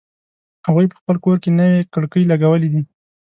هغوی په خپل کور کی نوې کړکۍ لګولې دي